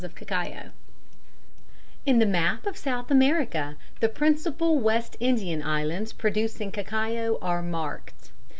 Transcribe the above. _ In the map of South America the principal West Indian islands producing cacao are marked.